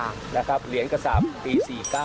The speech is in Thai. นะครับเหรียญกษับปี๔๙